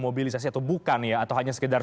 mobilisasi atau bukan ya atau hanya sekedar